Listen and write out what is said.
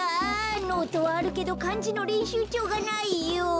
ノートはあるけどかんじのれんしゅうちょうがないよ！